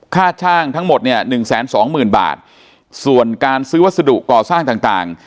ค่าช่างทั้งหมดเนี่ยหนึ่งแสนสองหมื่นบาทส่วนการซื้อวัสดุก่อสร้างต่างต่าง